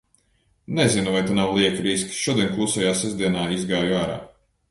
Nezinu, vai te nav lieli riski. Šodien Klusajā sestdienā izgāju ārā.